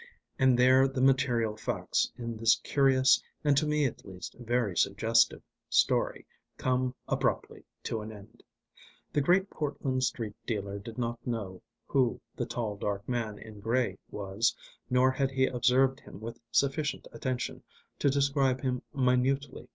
And there the material facts in this curious, and to me at least very suggestive, story come abruptly to an end. The Great Portland Street dealer did not know who the tall dark man in grey was, nor had he observed him with sufficient attention to describe him minutely.